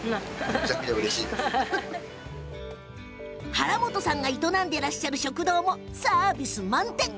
原本さんが営んでらっしゃる食堂もサービス満点。